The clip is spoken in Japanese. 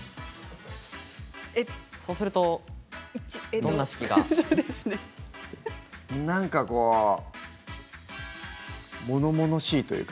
そうすると、どんな式が？なんかこうものものしいというか。